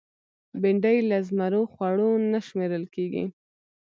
بېنډۍ له زمرو خوړو نه شمېرل کېږي